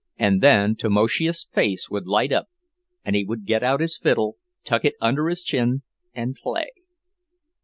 And then Tamoszius' face would light up and he would get out his fiddle, tuck it under his chin, and play.